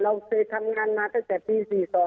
เราเคยทำงานมาตั้งแต่ปี๔๒